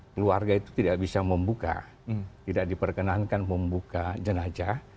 keluarga itu tidak bisa membuka tidak diperkenankan membuka jenajah